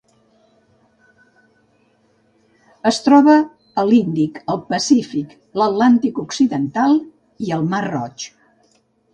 Es troba a l'Índic, el Pacífic, l'Atlàntic occidental i el mar Roig.